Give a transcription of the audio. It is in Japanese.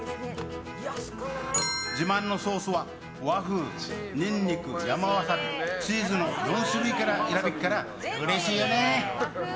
自慢のソースは、和風、にんにく山わさび、チーズの４種類から選べっからうれしいよね。